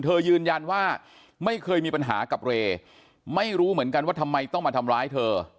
ยืนยันว่าไม่เคยมีปัญหากับเรย์ไม่รู้เหมือนกันว่าทำไมต้องมาทำร้ายเธอ